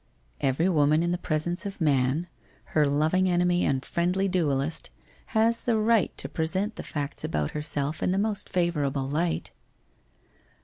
* Every woman in the presence of man, her loving enemy and friendly duellist, has the right to present the facts about herself in the most favourable light.'